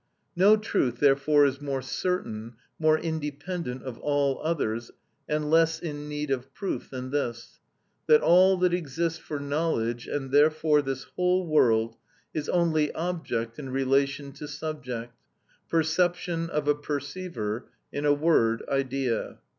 No truth therefore is more certain, more independent of all others, and less in need of proof than this, that all that exists for knowledge, and therefore this whole world, is only object in relation to subject, perception of a perceiver, in a word, idea.